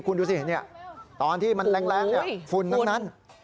คุณดูสิตอนที่มันแรงฝุ่นทั้งนั้น